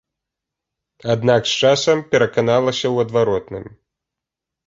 Аднак з часам пераканалася ў адваротным.